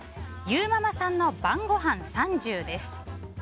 ゆーママさんの晩ごはん３０です。